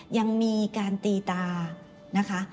ยังมีการตีตานะคะ